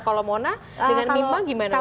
kalau mona dengan mimma gimana waktu itu